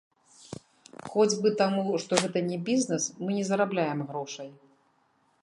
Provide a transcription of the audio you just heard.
Хоць бы таму, што гэта не бізнес, мы не зарабляем грошай.